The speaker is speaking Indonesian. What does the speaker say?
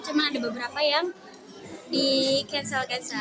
cuma ada beberapa yang di cancel cancel